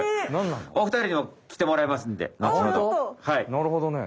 なるほどね。